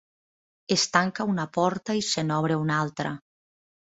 Es tanca una porta i se n'obre una altra.